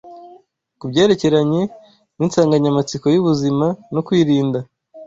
ku byerekeranye n’insanganyamatsiko y’ubuzima no kwirinda